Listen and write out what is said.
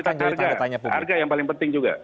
tetap harga harga yang paling penting juga